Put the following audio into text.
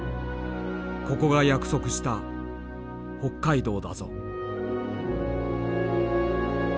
「ここが約束した北海道だぞ」。